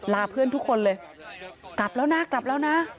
เพื่อนทุกคนเลยกลับแล้วนะกลับแล้วนะ